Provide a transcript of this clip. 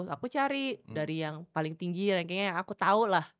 aku cari dari yang paling tinggi yang kayaknya aku tau lah